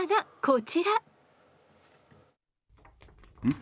ん？